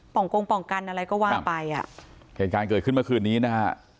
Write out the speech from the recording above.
งกงป่องกันอะไรก็ว่าไปอ่ะเหตุการณ์เกิดขึ้นเมื่อคืนนี้นะฮะ